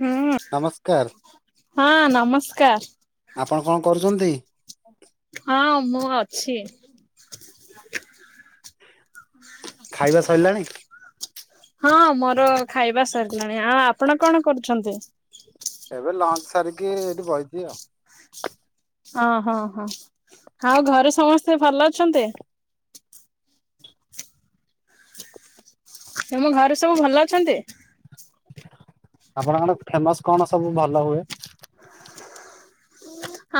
ହୁଁ ନମସ୍କାର ହଁ ନମସ୍କାର। ଆପଣ କଣ କରୁଛନ୍ତି? ହଁ [inaudible] ଖାଇବା ସରିଲାଣି? ହଁ ମୋର ଖାଇବା ସ ଣି ଆଉ ଆପଣ କଣ କରୁଛନ୍ତି? ଏବେ ଲଞ୍ଚ ସାରିକି ଏଇଠି ବଇଚି ଆଉ ଓହୋ ହୋ ଆଉ ଘରେ ସମସ୍ତେ ଭଲ ଅଛନ୍ତି? ତମ ଘରେ ସବୁ ଭଲ ଅଛନ୍ତି? ଆପଣଙ୍କର ଫେମସ କଣ ସବୁ ଭଲ ହୁଏ?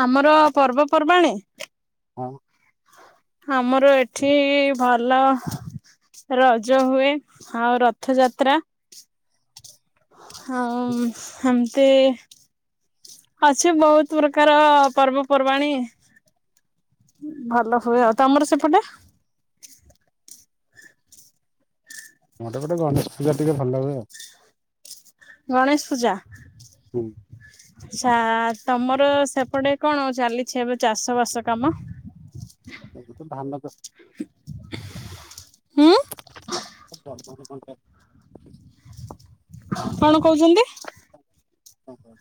ଆମର ପର୍ବପର୍ବାଣୀ ହଁ। ଆମର ଏଠି ଭଲ ରଜ ହୁଏ ଆଉ ରଥଯାତ୍ରା ହଁ ଏମିତି ଅଛି ବହୁତ ପ୍ରକାର ପର୍ବପର୍ବାଣି। ଭଲ ହୁଏ ଆଉ ତମର ସେପଟେ? ମୋଟା ମୋଟି ଗଣେଶ ପୂଜା ଟିକେ ଭଲ ଲାଗେ ଆଉ। ଗଣେଶ ପୂଜା? ହୁଁ। ତମର ସେପଟେ କଣ ଚାଲିଛି ଏବେ ଚାଷ ବାସ କାମ? ଏଇ ଧାନ ଚାଷ। ହୁଁ [inaudible] କଣ କହୁଛନ୍ତି? ଓ ହୋ।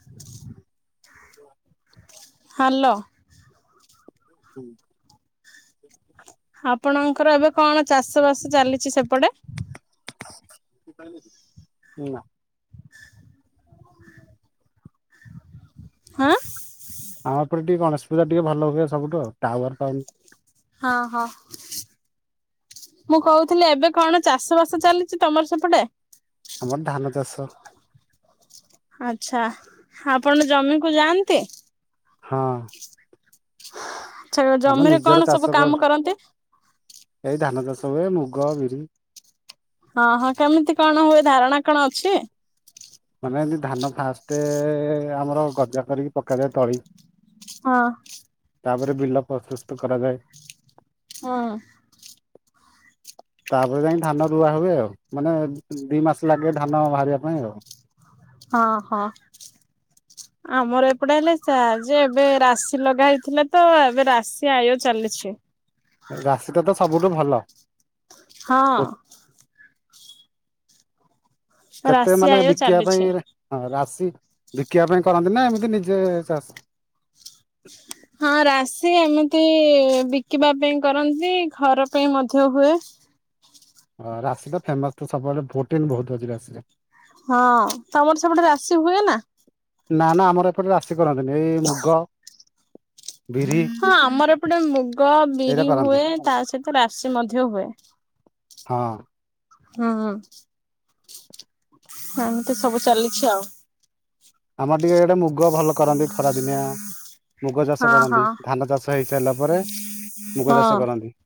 ହାଲୋ। ହୁଁ। ଆପଣଙ୍କର ଏବେ କଣ ଚାଷ ବାସ ଚାଲିଛି ସେପଟେ? ନା। ଆଁ। ଆମ ଏପଟେ ଟିକେ ଗଣେଶ ପୂଜା ଟିକେ ଭଲ ହୁଏ ସବୁଠୁ ଆଉ ଟାୱା ର ପାଉନି। ହଁ ହଁ। ମୁଁ କହୁଥିଲି ଏବେ କଣ ଚାଷ ବାସ ଚାଲିଛି ତମର ସେପଟେ? ଆମର ଧାନ ଚାଷ। ଆଚ୍ଛା ଆପଣ ଜମିକୁ ଯାଆନ୍ତି? ହଁ। ଆଚ୍ଛା ଆମ ଜମିରେ ନିଜର କଣ ଚାଷ ସବୁ କରୁ କାମ କରନ୍ତି? ଏଇ ଧାନ ଚାଷ ହୁଏ ମୁଗ, ବିରି। ହଁ ହଁ କେମିତି କଣ ହୁଏ ଧାରଣା କଣ ଅଛି? ମାନେ ଏମିତି ଧାନ ଫାଷ୍ଟ ଆମର ଗଜା କରିକି ପକାଯାଏ ତଳି ହଁ। ତାପରେ ବିଲ ପ୍ରସ୍ତୁତ କରାଯାଏ। ହଁ। ତାପରେ ଯାଇକି ଧାନ ରୁଆ ହୁଏ ଆଉ ମାନେ ଦି ମାସ ଲାଗେ ଧାନ ବାହାରିବା ପାଇଁ ଆଉ ହ ହଁ ହଁ। ଆମର ଏପଟେ ହେଲେ ସେ ଯେ ଏବେ ରାଶି ଲଗା ହେଇଥିଲା ତ ଏବେ ରାଶି ଆୟ ଚାଲି ଅଛି। ରାଶିଟା ତ ସବୁଠୁ ଭଲ। ହଁ। କେତେ ରାଶି ମାନେ ଆୟ ବିକିବା ଚାଲିଛି। ପାଇଁ ରା ବି ବିକିବା ପାଇଁ କରନ୍ତି ନା ଏମିତି ନିଜେ ଚାଷ। ହଁ ରାଶି ଏମିତି ବିକିବା ପାଇଁ କରନ୍ତି ଘର ପାଇଁ ମଧ୍ୟ ହୁଏ। ରାଶି ଟା ଫେମସ ତ ସବୁବେଳେ ପ୍ରୋଟିନ ବହୁତ ଅଛି ରାଶିରେ। ହଁ ତମର ସେପଟେ ରାଶି ହୁଏ ନା? ନା ନା ଆମର ଏପଟେ ରାଶି କରନ୍ତିନି ଏଇ ମୁଗ ବିରି ହଁ ଆମର ଏପଟେ ମୁଗ ଏଇରା ବିରି କରନ୍ତି ହୁଏ, ତା ସହିତ ରାଶି ମଧ୍ୟ ହୁଏ। ହଁ। ହୁଁ ହଁ। ଏମତି ସବୁ ଚାଲିଛି ଆଉ। ଆମର ଟିକେ ଗୋଟେ ମୁଗ ଭଲ କରନ୍ତି ଖରା ଦିନିଆ। ମୁଗ ଚାଷ ହଁ ହଁ କରନ୍ତି ଧାନ ଚାଷ ହେଇସାରିଲା ପରେ ମୁଗ ହଁ। ଚାଷ କରନ୍ତି।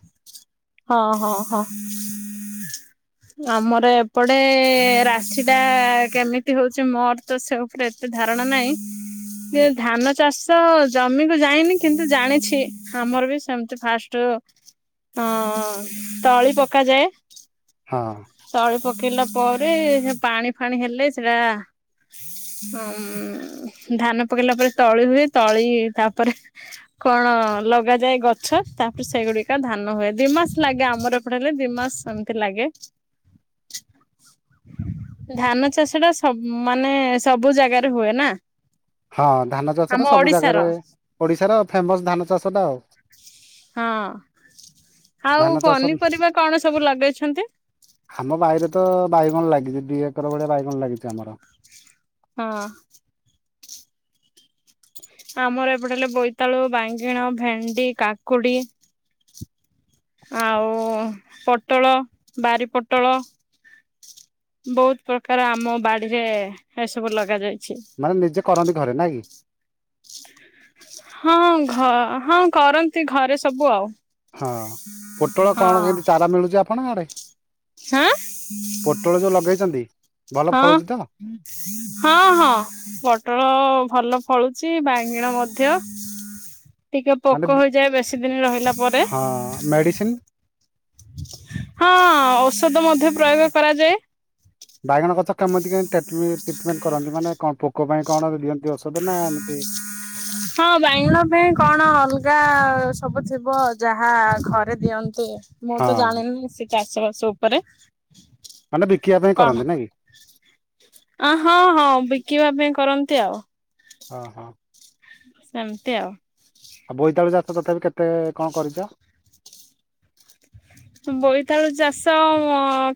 ହଁ ହଁ ହଁ। ଆମର ଏପଟେ ରାଶିଟା କେମିତି ହଉଚି ମୋର ତ ସେ ଉପରେ ଏତେ ଧାରଣା ନାଇଁ। [inaudible] ସେ ଧାନ ଚାଷ ଜମିକୁ ଯାଇନି କିନ୍ତୁ ଜାଣିଛି ଆମର ବି ସେମିତି ଫାଷ୍ଟ ହଁ ତଳି ପକାଯାଏ। ହଁ ତଳି ପକେଇଲା ପରେ ସେ ପାଣି ଫାଣି ହେଲେ ସେଟା ହଁ ଧାନ ପକେଇଲା ପରେ ତଳି ହୁଏ ତଳି ତାପରେ କଣ ଲଗାଯାଏ ଗଛ ତାପରେ ସେଗୁଡିକା ଧାନ ହୁଏ ଦିମାସ ଲାଗେ ଆମର ଏପଟ ହେଲେ ଦି ମାସ। ସେମିତି ଲାଗେ। [inaudible] ଧାନ ଚାଷ ଟା ସବ ମାନେ ସବୁ ଜାଗାରେ ହୁଏ ନା। ହଁ ଧାନ ଆମ ଚାଷଟା ସବୁ ଓଡିଶାର ଜାଗାରେ ଓଡିଶାର ଫେମସ ଧାନ ଚାଷ ଟା ଆଉ। ହଁ ଧାନ ଆଉ ଚାଷ ପନିପରିବା କଣ ସବୁ ଲଗେଇଛନ୍ତି? ଆମ ବାଇରେ ତ ବାଇଗଣ ଲାଗିଚି ଦି ଏକର ଭଳିଆ ବାଇଗଣ ଲାଗିଚି ଆମର। ହଁ। ଆମର ଏପଟେ ହେଲେ ବୋଇତାଳୁ ବାଇଗଣ ଭେଣ୍ଡି କାକୁଡି। ଆଉ ପୋଟଳ ବାରି ପୋଟଳ। ବହୁତ ପ୍ରକାର ଆମ ବାଡିରେ ଏସବୁ ଲଗାଯାଇଛି। ମାନେ ନିଜେ କରନ୍ତି ଘରେ ନାଇଁ କି। ହଁ ଘ ହଁ କରନ୍ତି ଘରେ ସବୁ ଆଉ। ହଁ ପୋଟଳ କଣ ହଁ। କେମିତି ଚାରା ମିଳୁଚି ଆପଣଙ୍କ ଆଡେ? ହାଁ ପୋଟଳ ଯୋଉ ଲଗେଇଚନ୍ତି। ହଁ ହଁ ହଁ ପୋଟଳ ଭଲ। ଫଳୁଚି ବାଇଙ୍ଗଣ ମଧ୍ୟ। ଟିକେ ମାନେ ପୋକ ହେଇଯାଏ ବେଶୀ ଦିନ ରହିଲା ପରେ। ହଁ ମେଡିସିନ ହଁ ଔଷଧ ମଧ୍ୟ ପ୍ରୟୋଗ କରାଯାଏ। ବାଇଗଣ ଗଛ କେମିତି କେ ଟ୍ରିଟମେଣ୍ଟ କରନ୍ତି ମାନେ କଣ ପୋକ ପାଇଁ କଣ ଦିଅନ୍ତି? ଔଷଧ ନା ଏମିତି ହଁ ବାଙ୍ଗଳା ପାଇଁ କଣ ଅଲଗା? ସବୁ ଥିବ ଯାହା ଘରେ ଦିଅନ୍ତି ମୁଁ ହଁ ତ ଜାଣିନି। ଚାଷ ବାସ ଉପରେ। ମାନେ ବିକିବା ପାଇଁ କଣ କରନ୍ତି ନାଇ କି? ଅ ହଁ ହଁ ବିକିବା ପାଇଁ କରନ୍ତି ଆଉ। ହଁ ହଁ। ସେମତି ଆଉ। ଆଉ ବୋଇତାଳୁ ଚାଷ ତଥାପି କେତେ କଣ କରିଚ? ବୋଇତାଳୁ ଚାଷ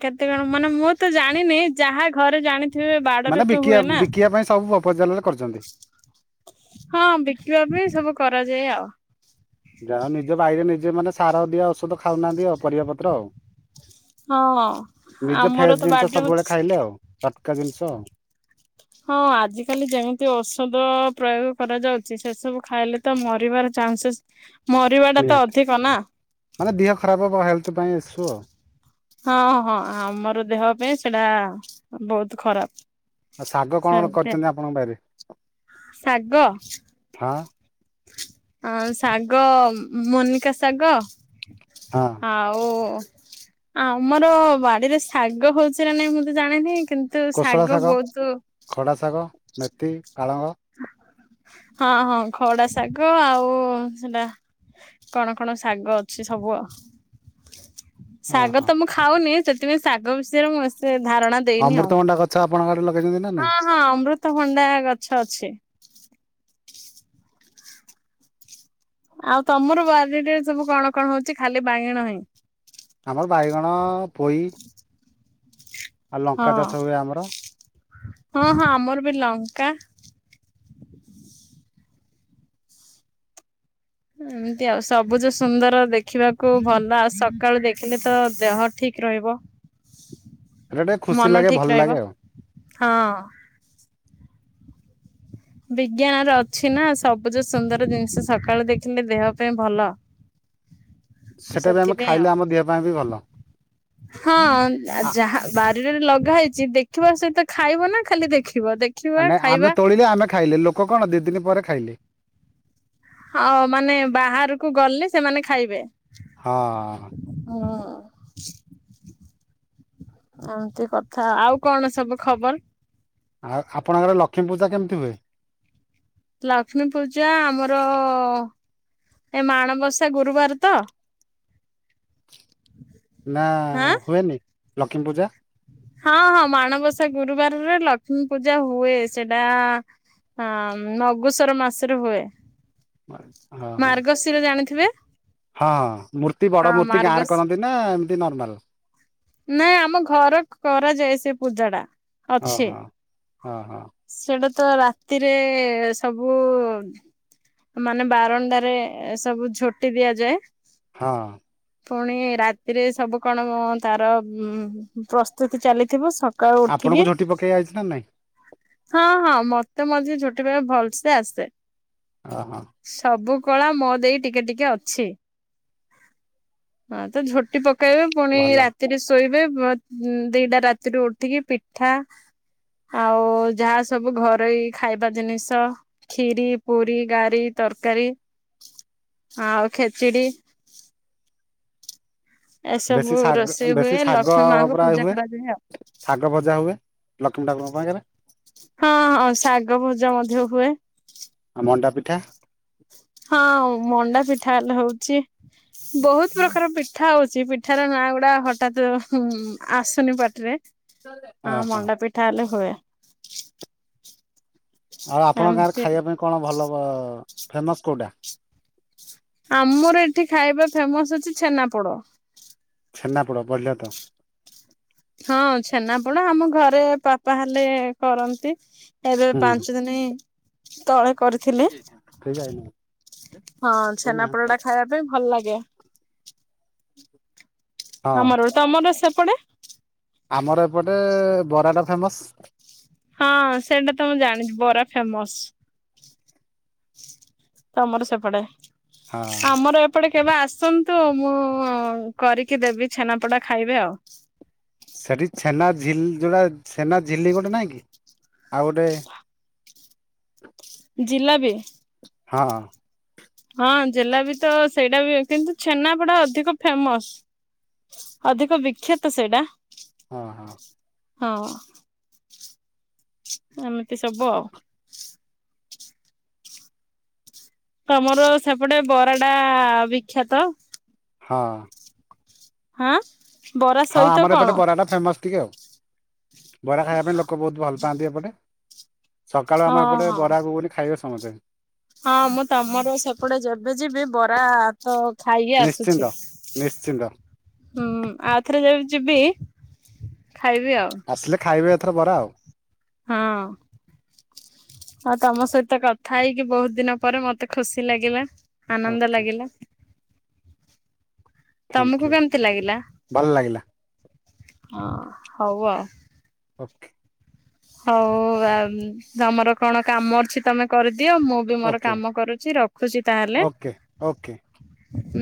କେତେ କଣ? ମାନେ ମୁଁ ତ ଜାଣିନି, ଯାହା ଘରେ ଜାଣି ମାନେ ବିକିବା, ବିକିବା ପାଇଁ ସବୁ ପ୍ରପୋଜାଲରେ କରିଛନ୍ତି । ହଁ ବିକିବା ପାଇଁ ସବୁ କରାଯାଏ ଆଉ ସେ ମାନେ ସାର ଦିଆ ଔଷଧ ଖାଉନାହାନ୍ତି ଆଉ, ପରିବାପତ୍ର ଆଉ ହଁ ନିଜ ଆମର ଫ୍ରେଶ ତ ଜିନିଷ ବାଡିରେ ସବୁବେଳେ ହଉଛି। ଖାଇଲେ ଆଉ ଫାଟକା ଜିନିଷ ଆଉ ହଁ ଆଜିକାଲି ଯେମିତି ଔଷଧ ପ୍ରୟୋଗ କରାଯାଉଛି, ସେସବୁ ଖାଇଲେ ତ ମରିବାର ଚାନ୍ସେସ, ମରିବା ଟା ତ ନିହାତି ଅଧିକ ନା ସେଥିପାଇଁ ଇସୁ ହଁ, ହଁ, ଆମର ଦେହ ପାଇଁ ସେଟା ବହୁତ ଖରାପ । ଆଉ ଶାଗ କଣ କରିଛନ୍ତି ଆପଣଙ୍କ ବାଇରେ? ଶାଗ ହଁ ଆ ଶାଗ -ମୋନିକା ଶାଗ ହଁ ଆଉ ଆଉ ମୋର ବାଡିରେ ଶାଗ ହଉଛି ନା ନାଇଁ ମୁଁ ତ ଜାଣିନି? କିନ୍ତୁ କୋଶଳା ଶାଗ, ବହୁତ ଖଡ଼ା ଶାଗ, ମେଥି, ପାଳଙ୍ଗ ହଁ ହଁ, ଖଡା ଶାଗ ଆଉ ସେଟା କଣ କଣ ଶାଗ ଅଛି ସବୁ? [inaudible] ଶାଗ ଓହୋ ତ ମୁଁ ଖାଉନି, ସେଥିପାଇଁ ଶାଗ ବିଷୟରେ ମୁଁ ଆସ ଧାରଣା ଦେଇନି ଆଉ, ଅମୃତଭଣ୍ଡା ଗଛ ଆପଣଙ୍କ ଆଡେ ଲଗେଇଛନ୍ତି ନା ନାଇଁ? ହଁ ହଁ, ଅମୃତଭଣ୍ଡା ଗଛ ସେ ଆଉ ତମର ବାଡ଼ିରେ ସବୁ କଣ କଣ ହଉଛି? ଖାଲି ବାଙ୍ଗିଣ ହିଁ ଆମର ବାଇଗଣ, ପୋଇ ଆଉ ଲଙ୍କା ହଁ। ଚାଷ ହୁଏ ଆମର ହଁ ହଁ, ଆମର ବି ଲଙ୍କା ଏମତି ଆଉ ସବୁଜ ସୁନ୍ଦର ଦେଖିବାକୁ ଭଲ ଆ ସକାଳୁ ଦେଖିଲେ ତ ଦେହ ଠିକ ରହିବ ସେଟା ଟିକେ । ଖୁସି ମନ ଲାଗେ ଭଲ ଠିକ ରହିବ, ଲାଗେ ଆଉ ହଁ ବିଜ୍ଞାନ ର ଅଛି ନା- ସବୁଜ ସୁନ୍ଦର ଜିନିଷ ସକାଳୁ ଦେଖିଲେ ଦେହ ପାଇଁ ଭଲ । [inaudible] ସେଟା ବି ଆମେ ସେଥିପାଇଁ ଖାଇଲେ ଆଉ, ଆମ ଦେହ ପାଇଁ ବି ଭଲ। ହଁ ଆ ଯାହାର ରେ ଲଗା ହେଇଛି, ଦେଖିବା ସହିତ ଖାଇବ ନା, ଖାଲି ଦେଖ ନାଇ ଆମେ ତୋଳିଲେ, ଆମେ ଖାଇଲେ, ଲୋକ କଣ ଦି ଦିନ ପରେ ଖାଇଲେ । ଆଉ ମାନେ ବାହାରକୁ ଗଲେ, ସେମାନେ ଖାଇବେ । ହଁ । ଏମିତି କଥା, ଆଉ କଣ ସବୁ ଖବର? ଆଉ ଆପଣଙ୍କର ଲକ୍ଷ୍ମୀ ପୂଜା କେମିତି ହୁଏ? ଲକ୍ଷ୍ମୀ ପୂଜା ଆମର ଏ ମାଣବସା ଗୁରୁବାର ତ? ନା ହୁଏନି, ଲକ୍ଷ୍ମୀ ପୂଜା? ହଁ ହଁ, ମାଣବସା ଗୁରୁବାରରେ ଲକ୍ଷ୍ମୀ ପୂଜା ହୁଏ, ସେଟା ହଁ ମଗୁଶୁର ମାସରୁ ହୁଏ । ମାର୍ଗଶିର ଜାଣିଥିବେ? ହଁଁ ମୂର୍ତ୍ତି, ବଡ ହଁ ମୂର୍ତ୍ତି, ଗାଁରେ ମାର୍ଗଶି କରନ୍ତି ନା ଏମିତି ନର୍ମାଲ ନାଇଁ ଆମ ଘର କରାଯାଏ, ସେ ପୂଜା ଟା, ହଁ ଅଛି । ହଁ ହଁ ହଁ । ତ ରାତିରେ ସବୁ ମାନେ ବାରଣ୍ଡ। ରେ ସବୁ ଝୋଟି ଦିଆଯାଏ । ହଁ । ପୁଣି ରାତିରେ ସବୁ କଣ ତାର ପ୍ରସ୍ତୁତି ଚାଲିଥିବ, ସ ଆପଣଙ୍କୁ ଉଠିକି ଝୋଟି ପକେଇ ଆଇଛି ନା ନାଇଁ ହଁ ହଁ ମତେ ଛୋଟ [unintelligible] ସେତେବେଳେ ଭଲସେ ଆସେ। ଓ ହୋ। ସବୁ କଳା ମୋ ଦେଇ ଟିକେ ଟିକେ ଅଛି। ହଁ ତ ଝୋଟି ପକେଇବେ ପୁଣି ଭଲ ରାତିରେ ଶୋଇବେ ଦିଟା ରାତିରୁୁ ଉଠିକି ପିଠା ଆଉ ଯାହା ସବୁ ଘରୋଇ ଖାଇବା ଜିନିଷ ଖିରୀ ପୁରୀ ତରକାରୀ। ତରକାରୀ ଆ ଆଉ ଖେଚିଡି। ବେଶୀ ଏସବୁ ଶାଗ ରୋଷେଇ ହୁଏ ବେଶୀ ଶାଗ ଲକ୍ଷ୍ମୀ ମାଙ୍କୁ ପ୍ରାୟ ପୂଜା ହୁଏ କରାଯାଏ ଆଉ। ଶାଗ ଭଜା ହୁଏ। ଲକ୍ଷ୍ମୀ ଠାକୁରଙ୍କ ପାଖରେ। ହଁ ହଁ ଶାଗ ଭଜା ମଧ୍ୟ ହୁଏ। ଆଉ ମଣ୍ଡା ପିଠା। ହଁ ମଣ୍ଡା ଫି ପିଠା ହୋଉଚି ବୋହୁତ ପ୍ରକାର ପିଠା ହୋଉଚି ପିଠାର ନାଁ ଗୁଡା ହଠତ୍ ଉ ଆସୁନି ପାଟିରେ ହଁ ଓହୋ ମଣ୍ଡା ପିଠା ହୁଏ। ଆଉ ଆପଣଙ୍କ ଗାଁରେ ଏମିତି ଖାଇବା ପାଇଁ କଣ ଭଲ ଫେମସ କୋଉଟା? ଆମର ଏଠି ଖାଇବା ଫେମସ ଅଛି ଛେନାପୋଡ। ଛେନାପୋଡ ପଢିଲ ତ ହଁ ଛେନାପୋଡ ଆମ ଘରେ ବାପା ହେଲେ କରନ୍ତି। ଏବେ ହୁଁ ପାଞ୍ଚ ଦିନ ତଳେ କରିଥିଲେ ଠିକ ହଁ ଛେନାପୋଡ ଟା ଖାଇବା ପାଇଁ ଭଲ ଲାଗେ। ଆ ଆମର ତମର ସେପଟେ। ଆମର ଏପଟେ ବରାଟା ଫେମସ୍ ହଁ ସେଇଟା ତ ମୁଁ ଜାଣିଚି ବରା ଫେମସ। ତମର ସେପଟେ ହଁ ଆମର ଏପଟେ ଏବେ ଆସନ୍ତୁ ମୁଁ କରିକି ଦେବି ଛେନାପୋଡା ଖାଇବେ ଆଉ। ସେଠି ଛେନା ଝିଲ ଯୋଉଟା ଛେନା ଝିଲି ଗୋଟେ ନାଇଁ କି? ଆଉ ଗୋଟେ ଜିଲାପି। ହଁ। ହଁ ଜେଲାପି ତ ସେଇଟା ବି କିନ୍ତୁ ଛେନାପଡା ଅଧିକ ଫେମସ। ଅଧିକ ବିଖ୍ୟାତ ସେଇଟା। ହଁ ହଁ ହଁ ଏମିତି ସବୁ ଆଉ। ତମର ସେପଟେ ବରାଟା ବିଖ୍ୟାତ। ହଁ। ହଁ ବରା ହଁ ସହିତ ଆମର ଏପଟେ କଣ? ବରାଟା ଫେମସ୍ ଟିକେ ଆଉ ବରା ଖାଇବା ପାଇଁ ଲୋକ ବୋହୁତ ଭଲ ପାଆନ୍ତି ଏପଟେ ସକାଳୁ ଆମେ ହଁ ଏପଟେ ହଁ। ବରା ଖାଇବା [unintelligible] ହଁ ମୁଁ ତମର ସେପଟେ ଯେବେ ଯିବି ବରା ହାତ ଖାଇକି ନିଶ୍ଚିନ୍ତ ଆସୁଚି ନିଶ୍ଚିନ୍ତ ହୁଁ ଆଉଥରେ ଯ ଯିବି ଖାଇବି ଆଉ ଆସିଲେ ଖାଇବେ ଏଥର ବରା ଆଉ। ହଁ। ଆଉ ତମ ସହିତ କଥା ହେଇକି ବୋହୁତ ଦିନ ପରେ ମତେ ଖୁସି ଲାଗିଲା। ଆନନ୍ଦ ଓକେ ଲାଗିଲା। ତମକୁ ଥ୍ୟାଙ୍କୟୁ କେମିତି ଲାଗିଲା? ଭଲ ଲାଗିଲା ହଁ ହଉ। ଓକେ ହଉ ଆ ତମର କଣ କାମ ଅଛି ତମେ କ ଦିଅ ମୁଁ ବି ମୋର ଓକେ କାମ କରୁଛି ରଖୁଛି ତାହେଲେ। ଓକେ ଓକେ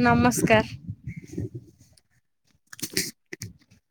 ନମସ୍କାର।